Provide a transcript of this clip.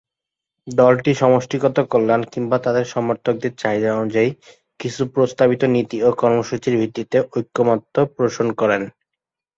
দলটি সমষ্টিগত কল্যাণ কিংবা তাদের সমর্থকদের চাহিদা অনুযায়ী কিছু প্রস্তাবিত নীতি ও কর্মসূচির ভিত্তিতে ঐকমত্য পোষণ করে।